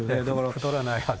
太らないはず。